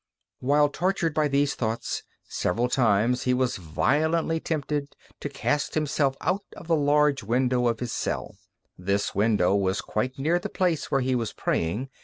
While tortured by these thoughts, several times he was violently tempted to cast himself out of the large window of his cell. This window was quite near the place where he was praying.